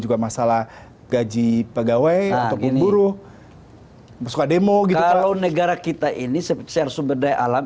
juga masalah gaji pegawai atau pemburu suka demo gitu kalau negara kita ini sebesar sumber daya alam